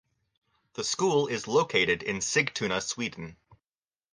The school is located in Sigtuna, Sweden.